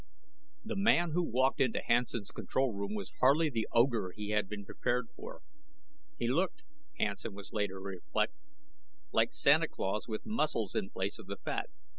The man who walked into Hansen's control room was hardly the ogre he had been prepared for. He looked, Hansen was later to reflect, like Santa Claus with muscles in place of the fat.